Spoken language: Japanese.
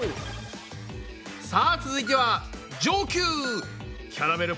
さあ続いては上級！